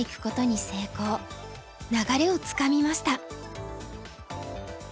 流れをつかみました。